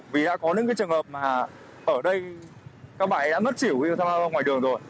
vì đã có những cái trường hợp mà ở đây các bạn ấy đã mất xỉu khi tham gia giao thông ngoài đường rồi